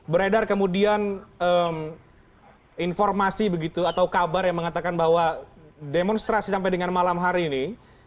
beredar kemudian informasi begitu atau kabar yang mengatakan bahwa demonstrasi sampai dengan malam hari ini